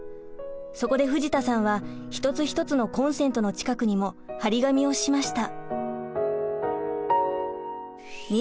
そこで藤田さんは一つ一つのコンセントの近くにも張り紙をしました。